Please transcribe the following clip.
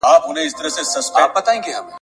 پېړۍ په ویښه د کوډګرو غومبر وزنګول ..